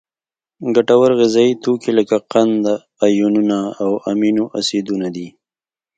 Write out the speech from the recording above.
ګټور غذایي توکي لکه قند، آیونونه او امینو اسیدونه دي.